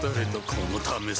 このためさ